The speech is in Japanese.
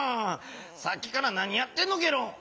さっきから何やってんのゲロ！